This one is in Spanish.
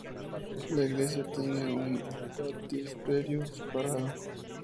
La iglesia tiene un baptisterio separado.